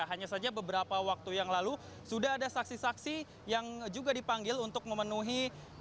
hanya saja beberapa waktu yang lalu sudah ada saksi saksi yang juga dipanggil untuk memenuhi